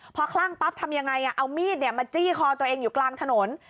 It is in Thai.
พอคลั่งปั๊บทำยังไงเอามีดมาจี้คอตัวเองอยู่กลางถนน